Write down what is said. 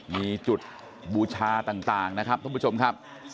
มีจุดบูชาต่างนะครับท่านผู้ชมครับ